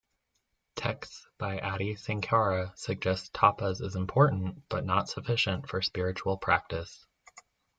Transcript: Texts by Adi Sankara suggests "Tapas" is important, but not sufficient for spiritual practice.